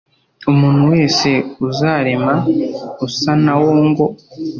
umuntu wese uzarema usa na wo ngo